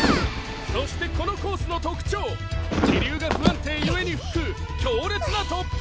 そしてこのコースの特徴気流が不安定ゆえに吹く強烈な突風！